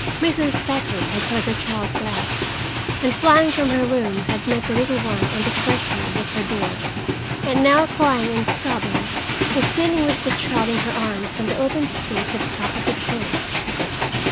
Mrs. Packard had heard her child's laugh, and flying from her room had met the little one on the threshold of her door and now, crying and sobbing, was kneeling with the child in her arms in the open space at the top of the stairs.